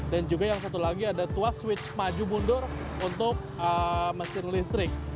dan juga yang satu lagi ada tuas switch maju mundur untuk mesin listrik